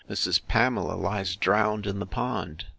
—Mrs. Pamela lies drowned in the pond.